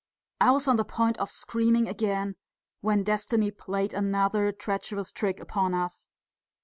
I was on the point of screaming again when destiny played another treacherous trick upon us.